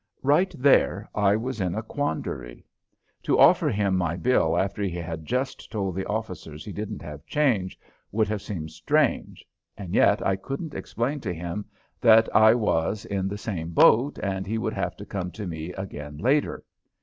Right there I was in a quandary. To offer him my bill after he had just told the officers he didn't have change would have seemed strange, and yet I couldn't explain to him that I was in the same boat and he would have to come to me again later.